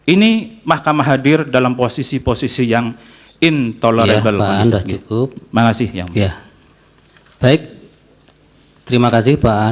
ini mahkamah hadir dalam posisi posisi yang intolerable